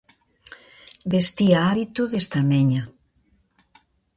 Vestía hábito de estameña.